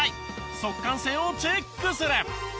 速乾性をチェックする。